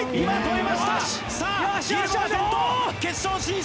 決勝進出